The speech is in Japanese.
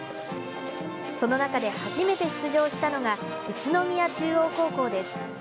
その中で初めて出場したのが宇都宮中央高校です。